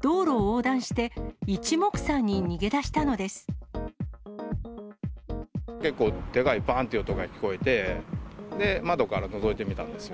道路を横断して、結構、でかいばーんっていう音が聞こえて、で、窓からのぞいてみたんですよ。